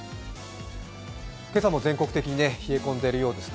今朝も全国的に冷え込んでいるようですね。